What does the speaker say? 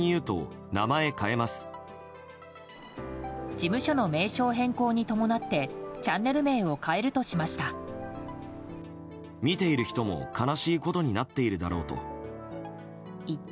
事務所の名称変更に伴ってチャンネル名を変えるとしました。